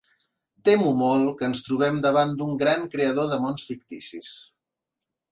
Temo molt que ens trobem davant d'un gran creador de mons ficticis.